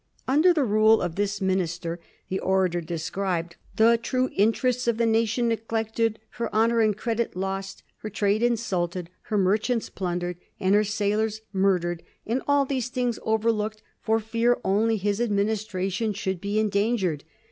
Under the rule of this minister the orator described ^^ the true in terests of the nation neglected, her honor and credit lost, her trade insulted, her merchants plundered, and her sail ors murdered, and all these things overlooked for fear only his administration should be endangered.